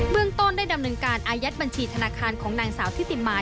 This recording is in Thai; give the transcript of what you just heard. เมืองต้นได้ดำเนินการอายัดบัญชีธนาคารของนางสาวทิติมา